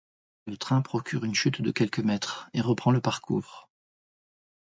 Le train procure une chute de quelques mètres, et reprend le parcours.